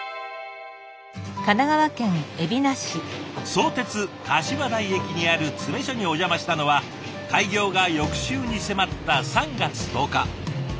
相鉄かしわ台駅にある詰め所にお邪魔したのは開業が翌週に迫った３月１０日。